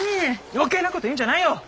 余計なこと言うんじゃないよ！